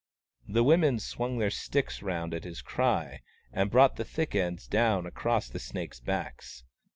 " The women swung their sticks round at his cry, and brought the thick ends down across the snakes' backs.